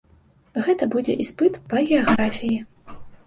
Гэта будзе іспыт па геаграфіі.